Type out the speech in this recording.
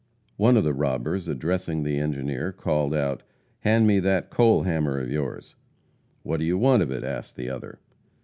One of the robbers, addressing the engineer, called out: "Hand me that coal hammer of yours!" "What do you want of it?" asked the other.